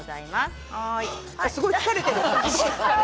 すごい疲れている。